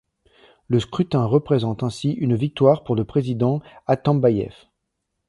Le scrutin représente ainsi une victoire pour le Président Atambaiev.